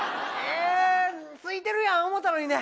空いてるやん思たのにね。